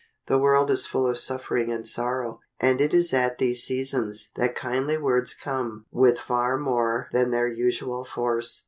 The world is full of suffering and sorrow, and it is at these seasons that kindly words come with far more than their usual force.